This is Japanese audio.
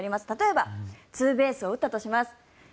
例えばツーベースを打ったとします。